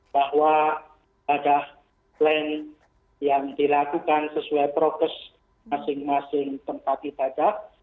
bahwa bagaimana yang dilakukan sesuai progres masing masing tempat ibadah